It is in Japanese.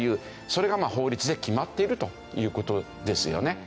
それが法律で決まっているという事ですよね。